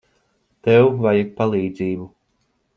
Tev vajag palīdzību.